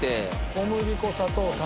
小麦粉砂糖卵。